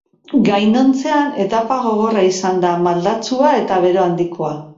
Gainontzean, etapa gogorra izan da, maldatsua eta bero handikoa.